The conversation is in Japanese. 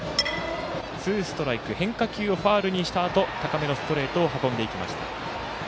ツーストライク変化球をファウルにしたあと高めのストレートを運んでいきました。